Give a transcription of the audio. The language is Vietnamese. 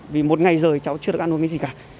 vì một ngày rời cháu chưa có thể ăn uống